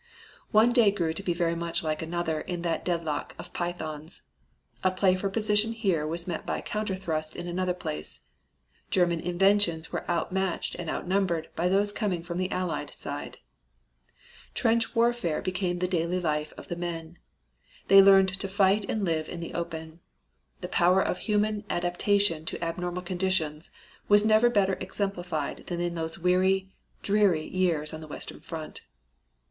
One day grew to be very much like another in that deadlock of pythons. A play for position here was met by a counter thrust in another place. German inventions were out matched and outnumbered by those coming from the Allied side. Trench warfare became the daily life of the men. They learned to fight and live in the open. The power of human adaptation to abnormal conditions was never better exemplified than in those weary, dreary years on the western front.